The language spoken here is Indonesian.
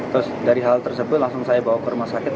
terus dari hal tersebut langsung saya bawa ke rumah sakit